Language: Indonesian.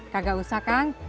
kagak usah kan